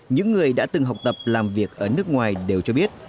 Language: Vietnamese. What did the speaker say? những người đã từng học tập làm việc ở nước ngoài đều cho biết